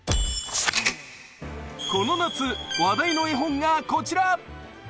この夏、話題の絵本がこちら。